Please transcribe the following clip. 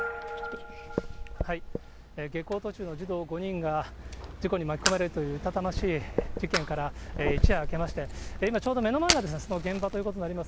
下校途中の児童５人が事故に巻き込まれるという痛ましい事件から一夜明けまして、今、ちょうど目の前がその現場ということになります。